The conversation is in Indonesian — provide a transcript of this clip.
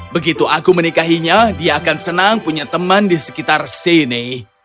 begitu aku menikahinya dia akan senang punya teman di sekitar sini